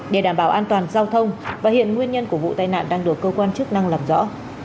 để đảm bảo an toàn giao thông và hiện nguyên nhân của vụ tai nạn đang được cơ quan chức năng làm rõ